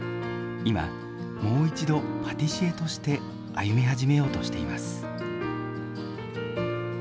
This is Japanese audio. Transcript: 今、もう一度、パティシエとして歩み始めようとしています。